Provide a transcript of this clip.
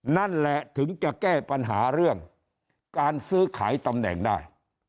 นั่นแหละถึงจะแก้ปัญหาเรื่องการซื้อขายตำแหน่งได้